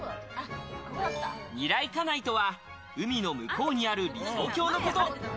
ニライカナイとは海の向こうにある理想郷のこと。